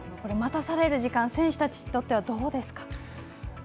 待たされる時間選手たちにとってはどうですか？